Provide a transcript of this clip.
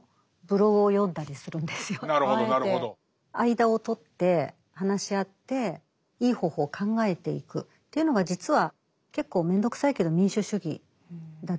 間をとって話し合っていい方法を考えていくというのが実は結構めんどくさいけど民主主義だったりしますよね。